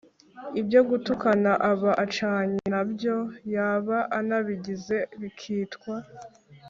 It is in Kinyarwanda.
ibyo gutukana aba acanye na byo, yaba anabigize bikitwa